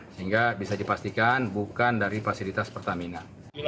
sehingga bisa dipastikan bukan dari fasilitas pertamina